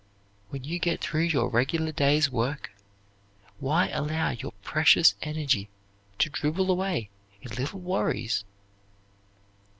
When you get through your regular day's work, why allow your precious energy to dribble away in little worries?